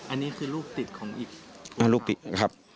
อันนี้คือลูกติดของอีกครับ